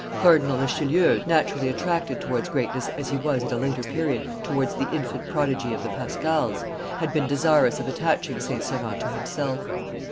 Cardinal Richelieu, naturally attracted towards greatness as he was at a later period towards the infant prodigy of the Pascals, had been desirous of attaching St. Cyran to himself.